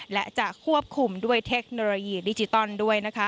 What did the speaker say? และจะควบคุมด้วยเทคโนโลยีดิจิตอลด้วยนะคะ